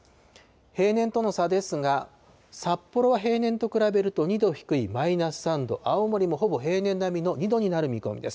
平年との差ですが、札幌は平年と比べると２度低いマイナス３度、青森もほぼ平年並みの２度になる見込みです。